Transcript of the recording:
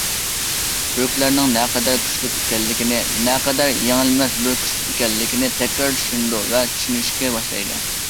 تۈركلەرنىڭ نەقەدەر كۈچلۈك ئىكەنلىكىنى، نەقەدەر يېڭىلمەس بىر كۈچ ئىكەنلىكىنى تەكرار چۈشىنىدۇ ۋە چۈشىنىشكە باشلايدۇ.